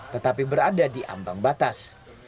tetapi berada di ambang batas